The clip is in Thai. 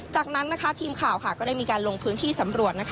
จากนั้นทีมข่าวก็ได้มีการลงพื้นที่สำรวจ